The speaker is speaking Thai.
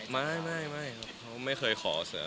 ไม่ไม่เขาไม่เคยขอสิ่งอะไรเลย